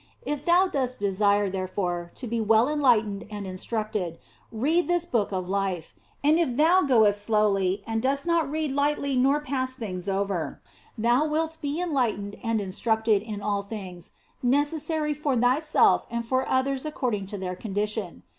If thou dost desire, therefore, to be well enlightened and instructed, read this Book of Life, and if thou goest slowly and dost not read lightly nor pass things over, thou wilt be enlightened and instructed in all things necessary for thyself and for others according to their condition.